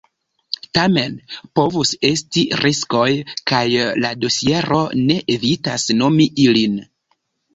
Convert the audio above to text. Tamen, povus esti riskoj, kaj la dosiero ne evitas nomi ilin.